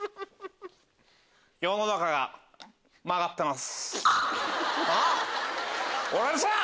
世の中が曲がってます。なぁ！